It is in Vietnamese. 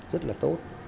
rất là tốt